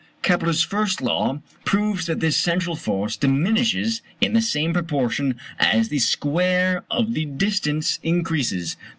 Kepler's first law proves that this central force diminishes in the same proportion as the square of the distance increases.